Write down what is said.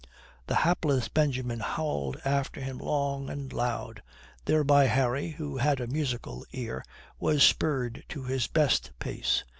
The hapless Benjamin howled after him long and loud. Thereby Harry, who had a musical ear, was spurred to his best pace.